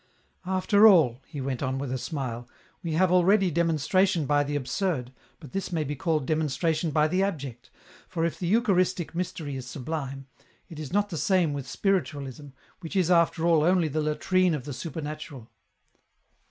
" After all," he went on with a smile, " we have already demonstration by the absurd, but this may be called demonstration by the abject, for if the Eucharistic mystery is sublime, it is not the same with spiritualism, which is after all only the latrine of the supernatural